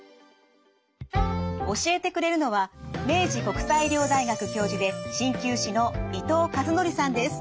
教えてくれるのは明治国際医療大学教授で鍼灸師の伊藤和憲さんです。